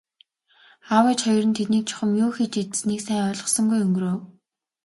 Аав ээж хоёр нь тэднийг чухам юу хийж идсэнийг сайн ойлгосонгүй өнгөрөв.